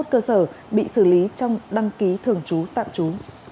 một trăm sáu mươi một cơ sở bị xử lý trong đăng ký thường trú tạm trú